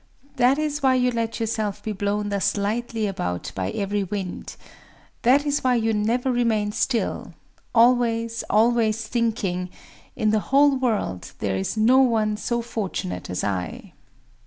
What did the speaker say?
That is why you let yourself be blown thus lightly about by every wind;—that is why you never remain still,—always, always thinking, 'In the whole world there is no one so fortunate as I.